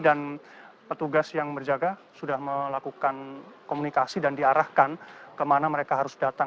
dan petugas yang berjaga sudah melakukan komunikasi dan diarahkan kemana mereka harus datang